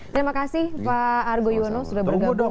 terima kasih pak argo yono sudah bergabung di good morning